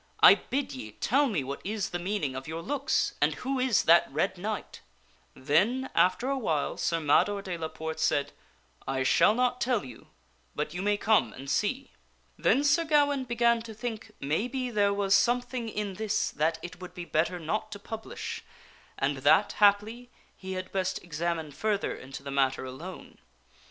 I bid ye tell me what is the meaning of your looks, and who is that red knight !" Then after a while Sir Mador de la Porte said, " I shall not tell you, but you may come and see." Then Sir Gawaine began to think maybe there was something in this that it would be better not to publish, and that, haply, he had best ex amine further into the matter alone.